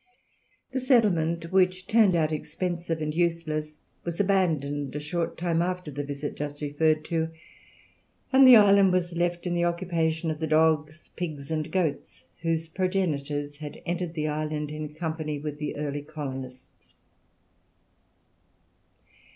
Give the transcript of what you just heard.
The settlement, which turned out expensive and useless, was abandoned a short time after the visit just referred to, and the island was left in the occupation of the dogs, pigs, and goats, whose progenitors had entered the island in company with the early colonists.